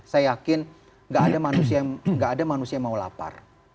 saya yakin gak ada manusia yang mau lapar